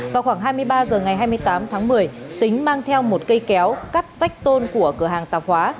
vào khoảng hai mươi ba h ngày hai mươi tám tháng một mươi tính mang theo một cây kéo cắt vách tôn của cửa hàng tạp hóa